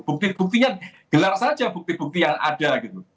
bukti buktinya gelar saja bukti bukti yang ada gitu